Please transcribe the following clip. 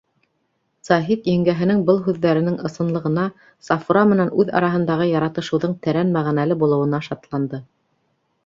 Заһит еңгәһенең был һүҙҙәренең ысынлығына, Сафура менән үҙ араһындағы яратышыуҙың тәрән мәғәнәле булыуына шатланды.